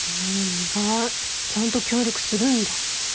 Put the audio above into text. ちゃんと協力するんだ。